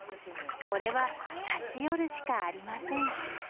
これは立ち寄るしかありません。